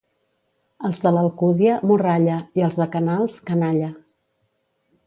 Els de l'Alcúdia, morralla, i els de Canals, canalla.